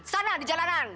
sana di jalanan